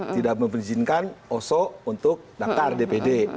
tidak memizinkan oso untuk daftar dpd